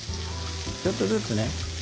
ちょっとずつね